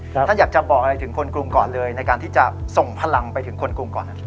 ท่านอยากจะบอกอะไรถึงคนกรุงก่อนเลยในการที่จะส่งพลังไปถึงคนกรุงก่อน